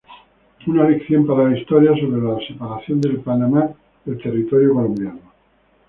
Una lección para la historia" sobre la separación de Panamá del territorio colombiano.